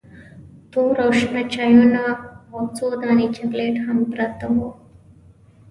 تور او شنه چایونه او څو دانې چاکلیټ هم پراته وو.